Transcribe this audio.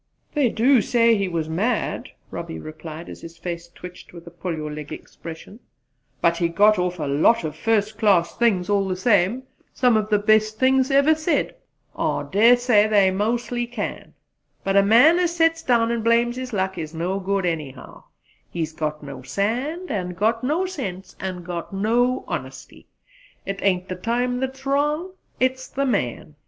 "They do say he was mad," Robbie replied, as his face twitched with a pull your leg expression, "but he got off a lot of first class things all the same some of the best things ever said." "I da' say; they mostly can. But a man as sets down and blames his luck is no good anyhow. He's got no sand, and got no sense, and got no honesty! It ain't the time's wrong: it's the man!